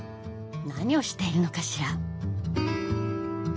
何をしているのかしら？